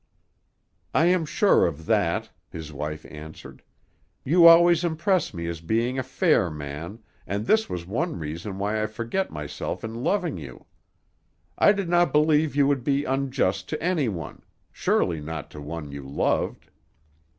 "I am sure of that," his wife answered. "You always impress me as being a fair man, and this was one reason why I forget myself in loving you. I did not believe you would be unjust to anyone; surely not to one you loved."